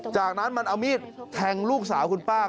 จากนั้นมันเอามีดแทงลูกสาวคุณป้า